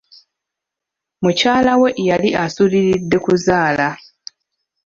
Mukyala we yali asuuriridde kuzaala.